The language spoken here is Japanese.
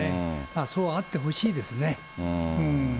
そうあってほしいですね。